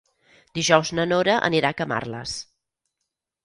Dijous na Nora anirà a Camarles.